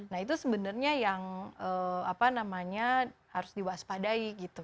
nah itu sebenarnya yang apa namanya harus diwaspadai gitu